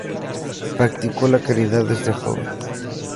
Practicó la caridad desde joven.